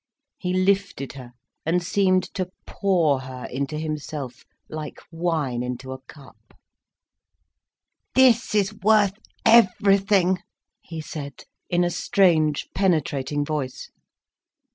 He lifted her, and seemed to pour her into himself, like wine into a cup. "This is worth everything," he said, in a strange, penetrating voice.